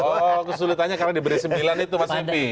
oh kesulitannya karena diberi sembilan itu mas mimpi